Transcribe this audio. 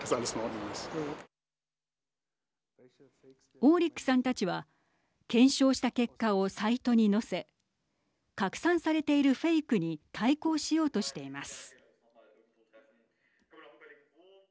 オーリックさんたちは検証した結果をサイトに載せ拡散されているフェイクに対抗しようとしています。